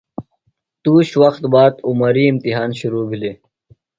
تُوش وخت باد عمری امتحان شِرو بِھلیۡ۔